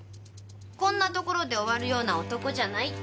「こんなところで終わるような男じゃない」って。